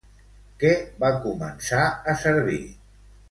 Què va començar a servir?